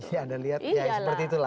iya ada lihat ya seperti itulah